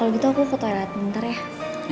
kalau gitu aku ke toilet bentar ya